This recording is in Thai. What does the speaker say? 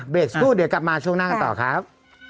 สู้เดี๋ยวกลับมาช่วงหน้ากันต่อครับ